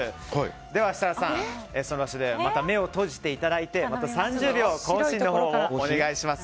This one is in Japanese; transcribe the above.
では設楽さん目を閉じていただいてまた３０秒、行進をお願いします。